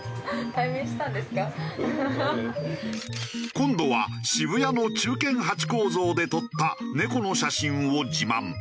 今度は渋谷の忠犬ハチ公像で撮った猫の写真を自慢。